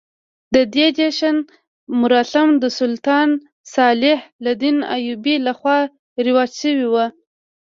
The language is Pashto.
د دې جشن مراسم د سلطان صلاح الدین ایوبي لخوا رواج شوي وو.